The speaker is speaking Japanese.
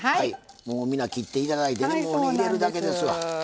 もう皆切って頂いてねもう入れるだけですわ。